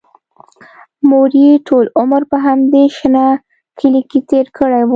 مور یې ټول عمر په همدې شنه کلي کې تېر کړی و